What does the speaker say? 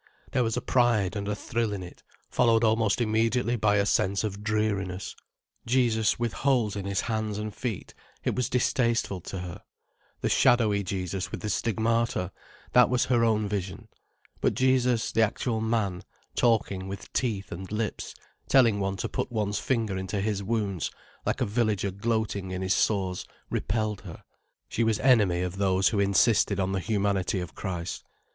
There was a pride and a thrill in it, followed almost immediately by a sense of dreariness. Jesus with holes in His hands and feet: it was distasteful to her. The shadowy Jesus with the Stigmata: that was her own vision. But Jesus the actual man, talking with teeth and lips, telling one to put one's finger into His wounds, like a villager gloating in his sores, repelled her. She was enemy of those who insisted on the humanity of Christ.